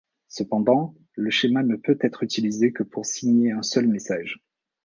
Cependant, le schéma ne peut être utilisé que pour signer un seul message.